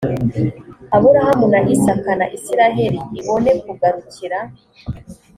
aburahamu na isaka na isirayeli ibone kugarukira